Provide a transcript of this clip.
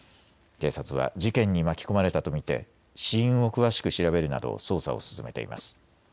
警察は事件に巻き込まれたと見て死因を詳しく調べるなど捜査を進めています。